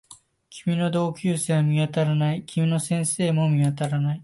君の同級生は見当たらない。君の先生も見当たらない